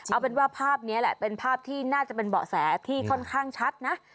เอาเป็นว่าภาพนี้แหละเป็นภาพที่น่าจะเป็นเบาะแสที่ค่อนข้างชัดนะ